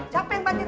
siapa yang banjir